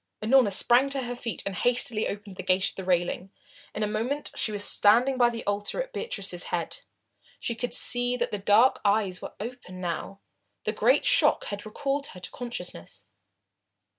Unorna sprang to her feet and hastily opened the gate of the railing. In a moment she was standing by the altar at Beatrice's head. She could see that the dark eyes were open now. The great shock had recalled her to consciousness.